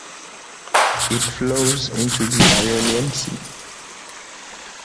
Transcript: It flows into the Ionian Sea.